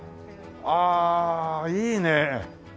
ああいいね。